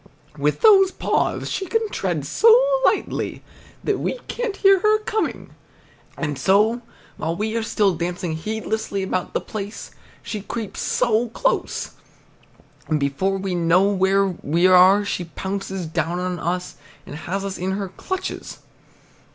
With those paws she can tread so lightly that we can't hear her coming. And so, while we are still dancing heedlessly about the place, she creeps close up, and before we know where we are she pounces down on us and has us in her clutches.